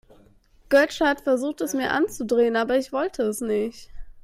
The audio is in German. Götsch hat versucht, es mir anzudrehen, aber ich wollte es nicht.